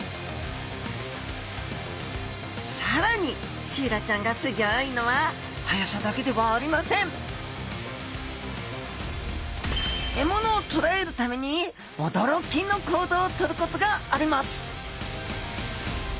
更にシイラちゃんがすギョいのは速さだけではありません獲物をとらえるために驚きの行動をとることがあります